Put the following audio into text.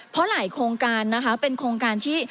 เพราะหลายโครงการนะคะเป็นโครงการที่